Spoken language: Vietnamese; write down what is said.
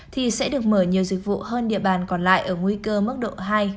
thì sẽ được mở nhiều dịch vụ hơn địa bàn còn lại ở nguy cơ mức độ hai